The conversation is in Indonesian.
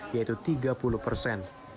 yaitu tiga puluh persen